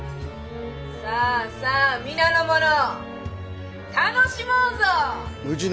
さぁさぁ皆の者楽しもうぞ！